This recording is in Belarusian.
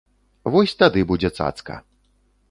Вось тады будзе цацка.